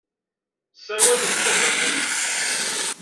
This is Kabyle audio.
Ssawalent tajapunit.